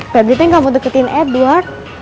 febri gak mau deketin edward